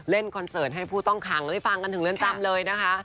คอนเสิร์ตให้ผู้ต้องขังได้ฟังกันถึงเรือนจำเลยนะคะ